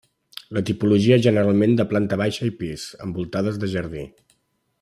La tipologia generalment de planta baixa i pis, envoltades de jardí.